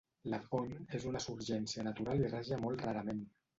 La font és una surgència natural i raja molt rarament.